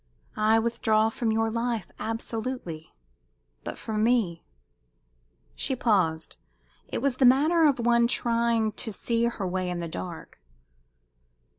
I withdraw from your life absolutely. But for me " She paused. It was the manner of one trying to see her way in the dark.